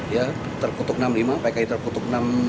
ya terkutuk enam puluh lima pki terkutuk enam